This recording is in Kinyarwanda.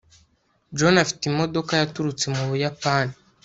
john afite imodoka yaturutse mu buyapani